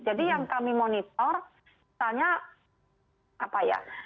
jadi yang kami monitor misalnya apa ya